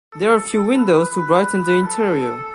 There are few windows to brighten the interior.